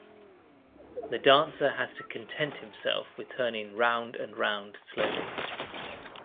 The dancer has to content himself with turning round and round slowly.